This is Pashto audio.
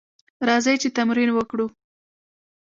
راځئ چې تمرین وکړو: